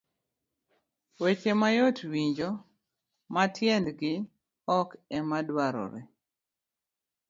Weche mayot winjo ma tiendgi ok ema dwarore.